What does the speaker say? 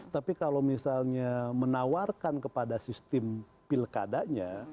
tapi kalau misalnya menawarkan kepada sistem pilkadanya